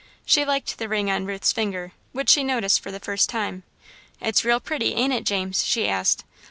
She liked the ring on Ruth's finger, which she noticed for the first time. "It's real pretty, ain't it, James?" she asked.